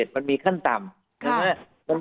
มันมีขั้นต่ำ